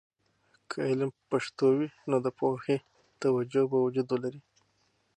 که علم په پښتو وي، نو د پوهې توجه به وجود ولري.